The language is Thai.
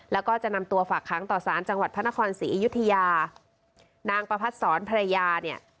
แล้วก็จะนำตัวฝากค้างต่อสารจังหวัดพระนครศรีอยุธยานางประพัดศรภรรยาเนี่ย